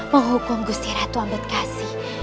menghukum gusti ratu ambedkasi